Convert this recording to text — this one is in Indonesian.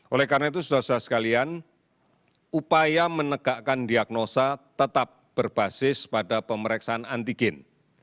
oleh karena itu saudara saudara sekalian upaya menegakkan diagnosa tetap berbasis pada pemeriksaan antigen